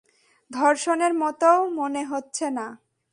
ধর্ষণের মতও মনে হচ্ছে না।